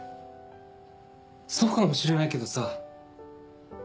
そうかもしれないけどさ。